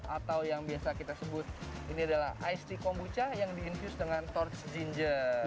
atau yang biasa kita sebut ini adalah ice kombucha yang diinfuse dengan torch ginger